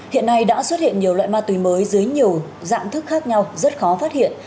hiện nay đã xuất hiện nhiều loại ma túy mới dưới nhiều dạng thức khác nhau rất khó phát hiện